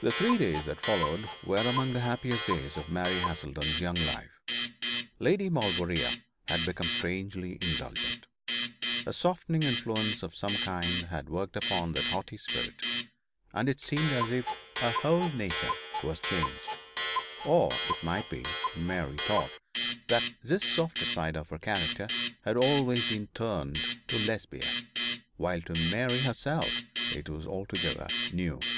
The three days that followed were among the happiest days of Mary Haselden's young life. Lady Maulevrier had become strangely indulgent. A softening influence of some kind had worked upon that haughty spirit, and it seemed as if her whole nature was changed or it might be, Mary thought, that this softer side of her character had always been turned to Lesbia, while to Mary herself it was altogether new.